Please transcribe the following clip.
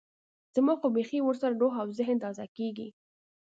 زما خو بيخي ورسره روح او ذهن تازه کېږي.